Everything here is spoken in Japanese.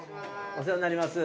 お世話になります。